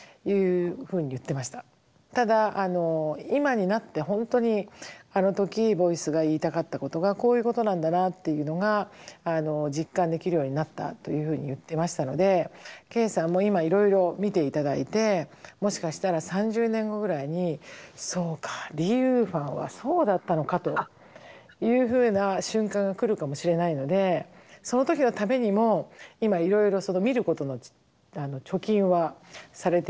「ただ今になって本当にあの時ボイスが言いたかったことがこういうことなんだなっていうのが実感できるようになった」というふうに言ってましたのでＫＥＩさんも今いろいろ見て頂いてもしかしたら３０年後ぐらいに「そうかリ・ウファンはそうだったのか」というふうな瞬間が来るかもしれないのでその時のためにも今いろいろ見ることの貯金はされておくといいんじゃないかなと思います。